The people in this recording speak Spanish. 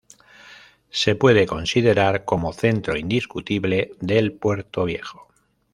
Se puede considerar como centro indiscutible del Puerto Viejo.